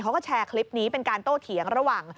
เขาก็แชร์คลิปนี้เป็นการโต้เถียงระหว่าง